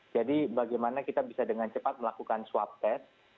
jadi bagaimana kita bisa dengan cepat melakukan swab test